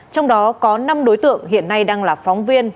trong đó có năm đối tượng hiện nay đang là phóng viên